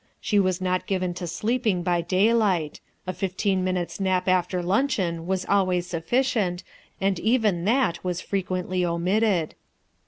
She was not given to sleeping by daylight a fifteen minutes' nap after luncheon was always sufficient, and even that was fre quently omitted.